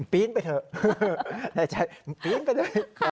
ปี๊งไปเถอะในใจปี๊งไปด้วย